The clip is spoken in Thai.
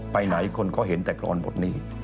ไปไหนคนก็เห็นแต่กรอนบทนี้